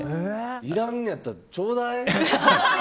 いらんのやったら、ちょうだい。